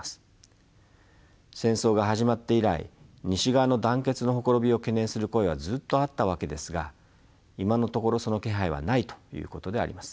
戦争が始まって以来西側の団結の綻びを懸念する声はずっとあったわけですが今のところその気配はないということであります。